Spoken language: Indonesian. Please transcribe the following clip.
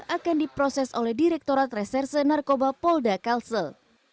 akan diproses oleh direkturat reserse narkoba polda kalsel